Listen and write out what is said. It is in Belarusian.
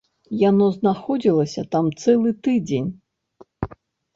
Яно знаходзілася там цэлы тыдзень.